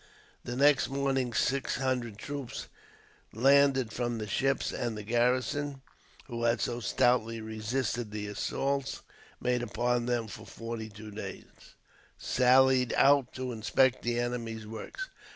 The next morning six hundred troops landed from the ships, and the garrison, who had so stoutly resisted the assaults made upon them for forty two days, sallied out to inspect the enemy's works.